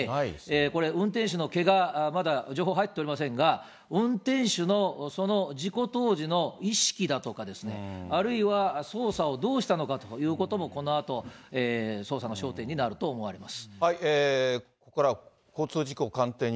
これ、運転手のけが、まだ情報入っておりませんが、運転手のその事故当時の意識だとか、あるいは捜査をどうしたのかということも、このあと捜査の焦点になると思われます。